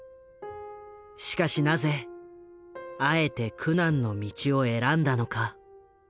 しかしなぜあえて苦難の道を選んだのか。